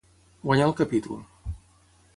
Guanyar el capítol.